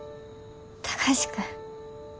貴司君。